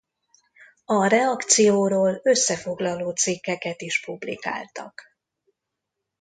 A reakcióról összefoglaló cikkeket is publikáltak.